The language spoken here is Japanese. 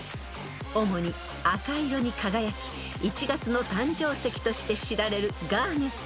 ［主に赤色に輝き１月の誕生石として知られるガーネット］